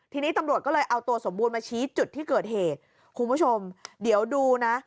ทีนี้ตำรวจก็เลยเอาตัวสมบูรณ์มาชี้จุดที่เกิดเหตุคุณผู้ชมเดี๋ยวดูนะ